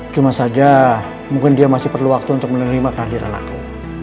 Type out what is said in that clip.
cuma saja mungkin dia masih perlu waktu untuk menerima kehadiran aku